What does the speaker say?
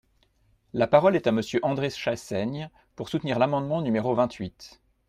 La parole est à Monsieur André Chassaigne, pour soutenir l’amendement numéro vingt-huit.